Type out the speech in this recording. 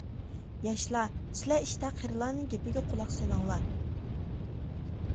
ياشلار، سىلەر ئىشتا قېرىلارنىڭ گېپىگە قۇلاق سېلىڭلار!